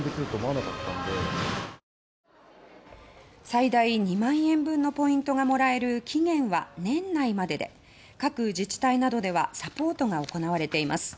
最大２万円分のポイントがもらえる期限は年内までで各自治体などではサポートが行われています。